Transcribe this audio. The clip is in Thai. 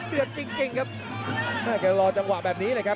กระโดยสิ้งเล็กนี่ออกกันขาสันเหมือนกันครับ